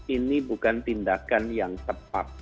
ini bukan tindakan yang tepat